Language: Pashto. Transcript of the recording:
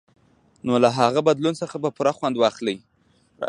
نو له هغه بدلون څخه به پوره خوند واخلئ.